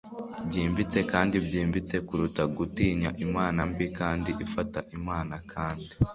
byimbitse kandi byimbitse kuruta gutinya imana mbi kandi ifata imana kandi